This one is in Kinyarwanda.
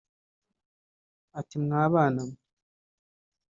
Ati"Mwa bana mwe